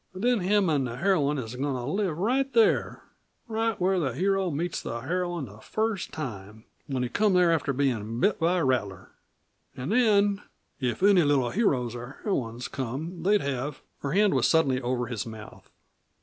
Then him an' the heroine is goin' to live right there right where the hero meets the heroine the first time when he come there after bein' bit by a rattler. An' then if any little heroes or heroines come they'd have " Her hand was suddenly over his mouth.